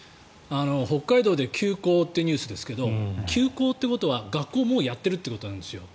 北海道で休校ってニュースですが休校ということは学校、もうやっているということなんです。